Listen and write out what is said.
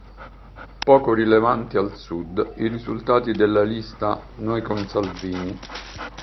Poco rilevanti al Sud i risultati della lista "Noi Con Salvini".